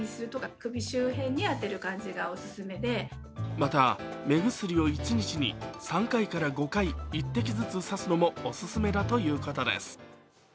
また目薬を一日に３５回、１滴ずつ差すのもお勧めだということです。